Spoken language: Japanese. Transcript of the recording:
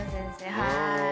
はい。